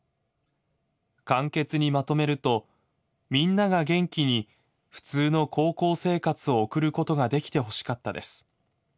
「簡潔にまとめるとみんなが元気に普通の高校生活を送ることができて欲しかったです。